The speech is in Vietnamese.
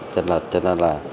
tranh lệch cho nên là